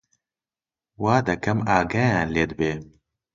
وا دەکەم ئاگایان لێت بێ